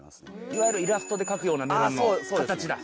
いわゆるイラストで描くようなメロンの形だ。